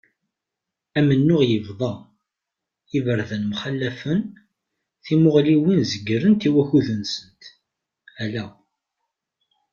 Amennuɣ yebḍa, iberdan mxalafen, timuɣliwin zegrent i wakkud-nsent, ala.